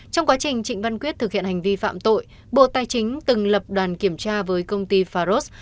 trong quá trình trịnh văn quyết thực hiện hành vi phạm tội bộ tài chính từng lập đoàn kiểm tra với công ty faros